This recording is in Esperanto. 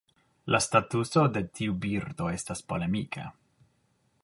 La statuso de tiu birdo estas polemika.